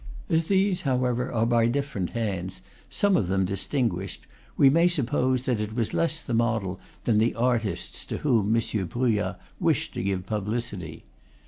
As these, however, are by different hands, some of them dis tinguished, we may suppose that it was less the model than the artists to whom M. Bruyas wished to give publicity.